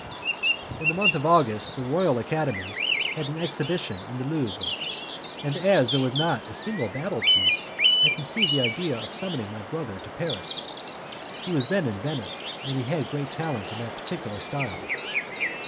In the month of August the Royal Academy had an exhibition at the Louvre, and as there was not a single battle piece I conceived the idea of summoning my brother to Paris. He was then in Venice, and he had great talent in that particular style.